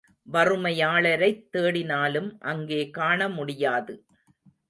வறுமையாளரைத் தேடினாலும் அங்கே காணமுடியாது.